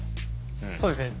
そうですね。